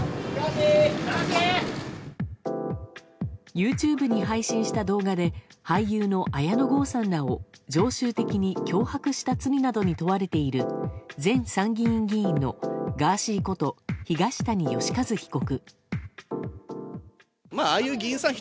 ＹｏｕＴｕｂｅに配信した動画で俳優の綾野剛さんらを常習的に脅迫した罪などに問われている前参議院議員のガーシーこと東谷義和被告。